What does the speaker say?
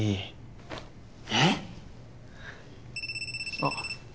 あっ。